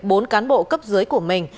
bốn cán bộ cấp dưới của mình